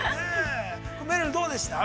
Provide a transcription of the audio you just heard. めるる、どうでした？